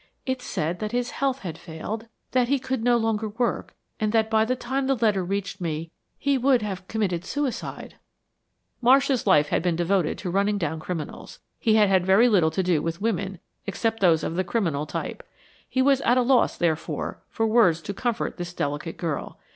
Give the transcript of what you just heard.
It said that his health had failed, that he could no longer work, and that by the time the letter reached me he world have committed suicide." Marsh's life had been devoted to running down criminals. He had had very little to do with women except those of the criminal type. He was at a loss, therefore, for words to comfort this delicate girl.